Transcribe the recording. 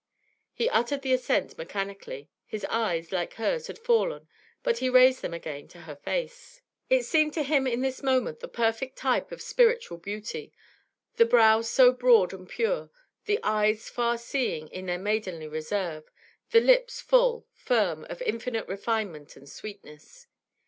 He uttered the assent mechanically; his eyes, like hers, had fallen, but he raised them again to her face. It seemed to him in this moment the perfect type of spiritual beauty; the brow so broad and pure, the eyes far seeing in their maidenly reserve, the lips full, firm, of infinite refinement and sweetness.